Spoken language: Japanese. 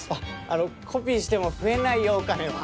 あの、コピーしても増えないよお金は。